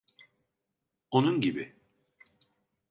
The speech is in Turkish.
Onun gibi.